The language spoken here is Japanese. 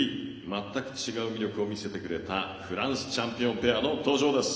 全く違う魅力を見せてくれたフランスチャンピオンペアの登場です。